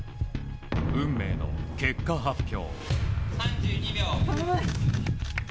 運命の結果発表。